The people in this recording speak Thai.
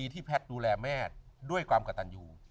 ที่แพทย์ดูแลแม่ดด้วยความกระตั่นยู